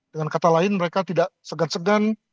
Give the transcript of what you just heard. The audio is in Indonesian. dengan kata lain mereka tidak segan segan